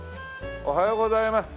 おはようございます。